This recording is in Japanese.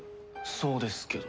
そうですけど。